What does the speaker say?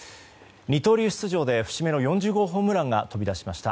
二刀流出場で節目の４０号ホームランが飛び出しました。